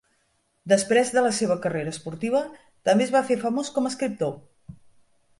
Després de la seva carrera esportiva, també es va fer famós com a escriptor.